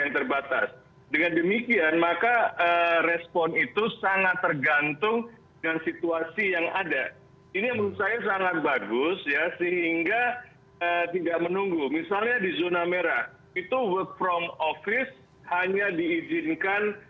terima kasih pak pak